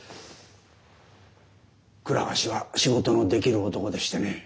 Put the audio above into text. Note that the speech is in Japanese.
倉橋は仕事のできる男でしてね